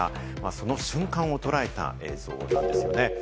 その瞬間を捉えた映像なんですよね。